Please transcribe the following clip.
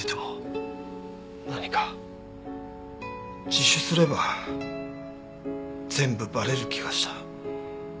自首すれば全部バレる気がした。